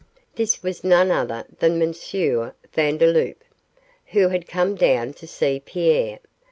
This was none other than M. Vandeloup, who had come down to see Pierre.